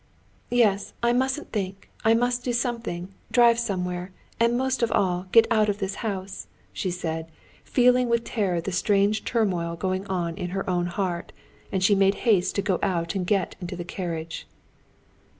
"Yes, I mustn't think, I must do something, drive somewhere, and most of all, get out of this house," she said, feeling with terror the strange turmoil going on in her own heart, and she made haste to go out and get into the carriage.